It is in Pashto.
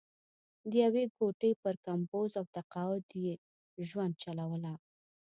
د یوې ګوتې پر کمپوز او تقاعد یې ژوند چلوله.